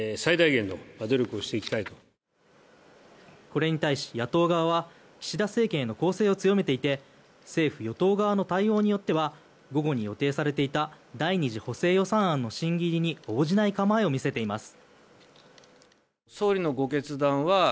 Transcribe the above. これに対し野党側は岸田政権への攻勢を強めていて政府・与党側の対応によっては午後に予定されていた第２次補正予算案の審議入りに応じない構えを見せています。